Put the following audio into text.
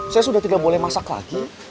saya sudah tidak boleh masak lagi